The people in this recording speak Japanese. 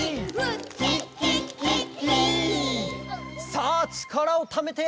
「さあちからをためて！」